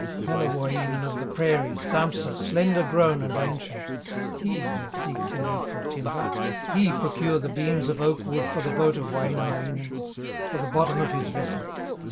Pellerwoinen of the prairies, Sampsa, slender grown and ancient, He will seek the needful timber, He procure the beams of oak wood For the boat of Wainamoinen, For the bottom of his vessel.